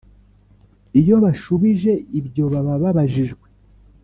iyo bashubije ibyo baba babajijwe